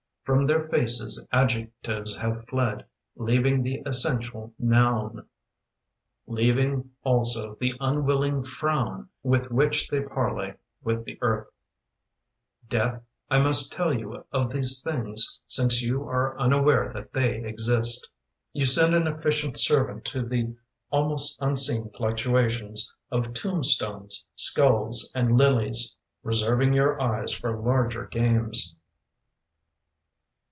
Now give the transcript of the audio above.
From their faces adjectives have fled, Leaving the essential noun: Leaving also the unwilling frown With which they parley with the earth .• Death, I must tell you of these things Since you are unaware that they exist. You send an efficient servant To the almost unseen fluctuations Of tomb stones, skulls, and lilies, Reserving your eyes for larger games.